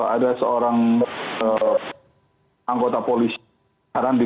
ada seorang anggota polisi sekarang di